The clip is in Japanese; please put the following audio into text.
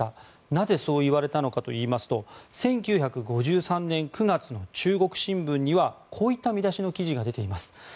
なぜ、そういわれたのかというと１９５３年９月の中国新聞にはこういった見出しの記事が出ています。